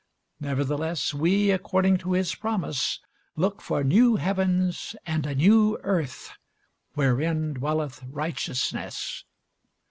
Nevertheless we, according to his promise, look for new heavens and a new earth, wherein dwelleth righteousness.